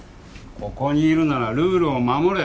ここにいるならルールを守れ。